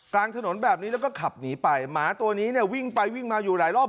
กลางถนนแบบนี้แล้วก็ขับหนีไปหมาตัวนี้เนี่ยวิ่งไปวิ่งมาอยู่หลายรอบ